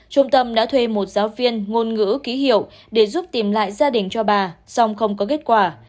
trung tâm đã thuê một giáo viên ngôn ngữ ký hiệu để giúp tìm lại gia đình cho bà song không có kết quả